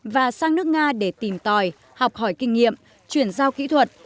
và sang nước nga để tìm tòi học hỏi kinh nghiệm chuyển giao kỹ thuật